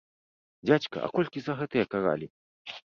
Дзядзька, а колькі за гэтыя каралі?